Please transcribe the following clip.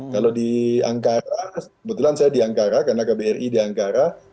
kalau di angkara kebetulan saya di angkara karena kbri di ankara